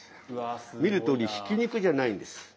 見るとおりひき肉じゃないんです。